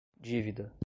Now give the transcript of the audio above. dívida